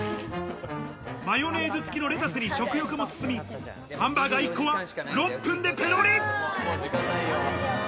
マヨネーズ付きのレタスに食欲も進み、ハンバーガー１個は６分でペロリ。